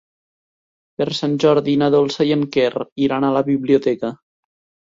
Per Sant Jordi na Dolça i en Quer iran a la biblioteca.